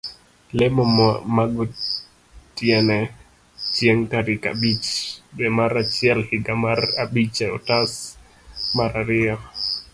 lemo magotiene chieng' tarik abich dwe mar achiel higa mar abich eotas mar ariyo